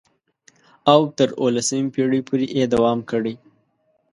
او تر اوولسمې پېړۍ پورې یې دوام کړی.